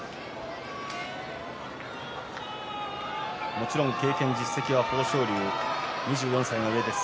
もちろん経験や実績は豊昇龍、２４歳が上です。